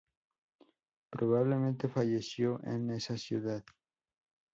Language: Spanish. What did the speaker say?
Probablemente falleció en esa ciudad.